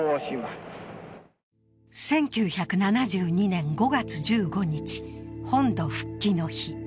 １９７２年５月１５日、本土復帰の日。